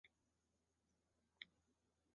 我们商量了一下最后就换成了韩青。